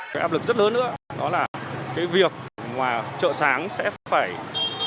cái áp lực rất lớn nữa đó là cái việc ngoài chợ sáng sẽ phải cung cấp